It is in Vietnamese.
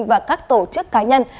và các tổ chức cá nhân